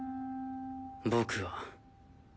僕は。